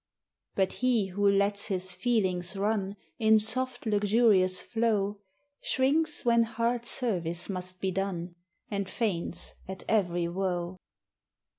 But he who lets his feelings run In soft luxurious flow, Shrinks when hard service must be done, And faints at every woe.